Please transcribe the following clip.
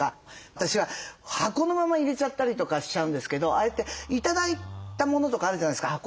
私は箱のまま入れちゃったりとかしちゃうんですけどああやって頂いたものとかあるじゃないですか箱で。